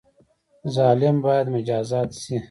ظالم باید مجازات شي